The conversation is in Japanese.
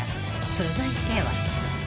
［続いては］